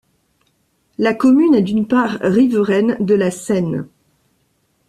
La commune est d'une part riveraine de la Seine.